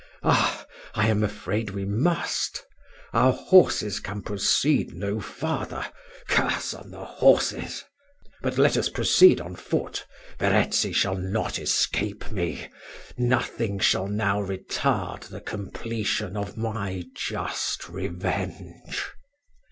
Ah! I am afraid we must; our horses can proceed no farther curse on the horses. "But let us proceed on foot Verezzi shall not escape me nothing shall now retard the completion of my just revenge."